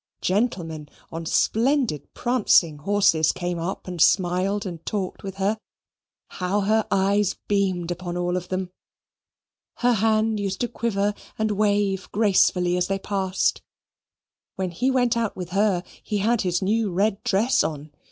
Gentlemen on splendid prancing horses came up and smiled and talked with her. How her eyes beamed upon all of them! Her hand used to quiver and wave gracefully as they passed. When he went out with her he had his new red dress on.